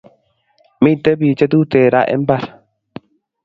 Miten pik che tuten raa imbar